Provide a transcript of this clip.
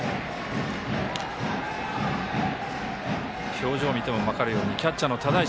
表情を見ても分かるようにキャッチャーの只石